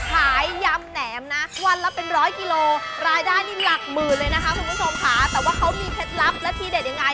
ขายยำแหนมน่ะวันละเป็นร้อยกิโลการรายได้เป็นหลักหมื่นเลยนะคะเพราะว่าเค้ามีเพชรลับและที่เด็ดยังไง